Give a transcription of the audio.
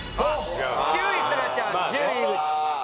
９位すがちゃん１０位井口。